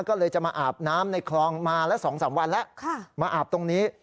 ก็เลยจะมาอาบน้ำในคลองมาละ๒๓วันแล้วมาอาบตรงนี้